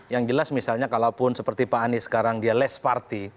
yang jelas misalnya kalaupun seperti pak anies sekarang dia less party